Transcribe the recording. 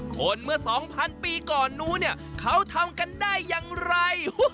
คนเมื่อ๒๐๐ปีก่อนนู้นเนี่ยเขาทำกันได้อย่างไร